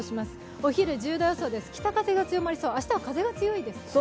お昼、１０度予想です、北風が強まりそう、明日は風が強いですね。